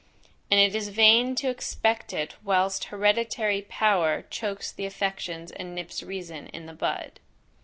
and it is vain to expect it whilst hereditary power chokes the affections, and nips reason in the bud.